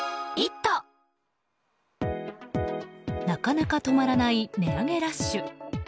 なかなか止まらない値上げラッシュ。